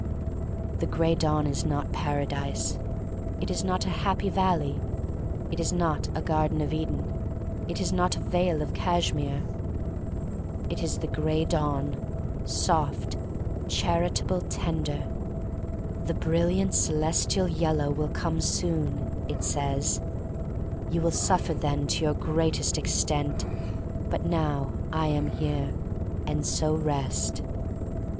The Gray Dawn is not Paradise; it is not a Happy Valley; it is not a Garden of Eden; it is not a Vale of Cashmere. It is the Gray Dawn — soft, charitable, THE STORY OF MARY MAC LANE 1 75 tender. "The brilliant celestial yellow will come soon," it says; you will suffer then to your greatest extent. But now I am here — and so, rest."